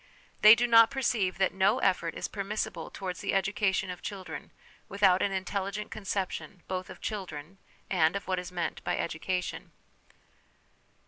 They do not perceive that no effort is permissible towards the education of children without an intelligent conception, both of children, and of what is meant by education.